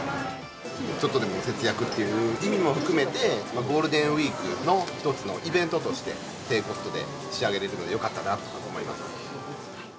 ちょっとでも節約っていう意味も含めて、ゴールデンウィークの一つのイベントとして、低コストで仕上げられるので、よかったなと思います。